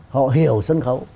họ hiểu sân khấu